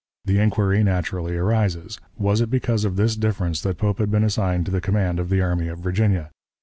The inquiry naturally arises, Was it because of this difference that Pope had been assigned to the command of the Army of Virginia?